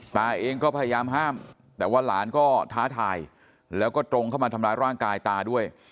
ตาเองก็พยายามห้ามแต่ว่าหลานก็ท้าทายแล้วก็ตรงเข้ามาทำร้ายร่างกายตาด้วย